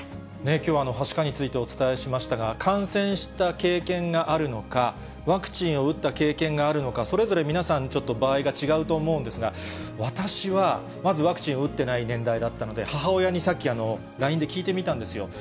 きょうははしかについてお伝えしましたが、感染した経験があるのか、ワクチンを打った経験があるのか、それぞれ皆さん、ちょっと場合が違うと思うんですが、私は、まずワクチンを打ってない年代だったので、母親にさっきＬＩＮＥで聞いてみたんですよ。